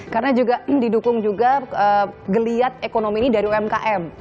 karena juga didukung juga geliat ekonomi dari umkm